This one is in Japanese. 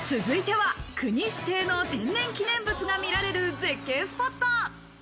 続いては、国指定の天然記念物が見られる絶景スポット。